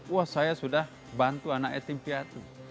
wah saya sudah bantu anak yatim piatu